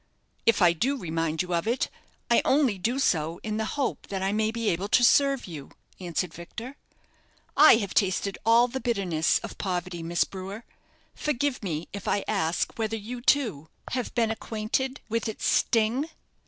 "If I do remind you of it, I only do so in the hope that I may be able to serve you," answered Victor. "I have tasted all the bitterness of poverty, Miss Brewer. Forgive me, if I ask whether you, too, have been acquainted with its sting?"